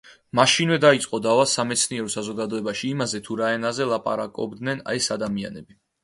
მაშინვე დაიწო დავა სამეცნიერო საზოგადოებაში იმაზე, თუ რა ენაზე ლაპარაკობდნენ ეს ადამიანები.